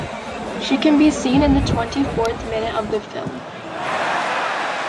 She can be seen in the twenty-fourth minute of the film.